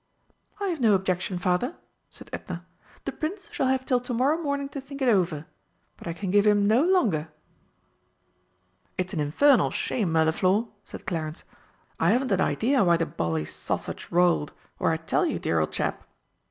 "I have no objection, Father," said Edna. "The Prince shall have till to morrow morning to think it over but I can give him no longer." "It's an infernal shame, Mirliflor!" said Clarence. "I haven't an idea why the bally sausage rolled, or I'd tell you, dear old chap!"